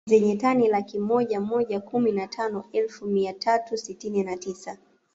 Zenye tani laki moja moja kumi na tano elfu mia tatu sitini na tisa